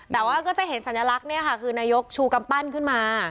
แต่ว่าก็จะเห็นสัญลักษณ์เนี่ยค่ะคือนายกชูกำปั้นขึ้นมา